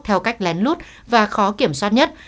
theo cách lén lút và khó kiểm soát nhất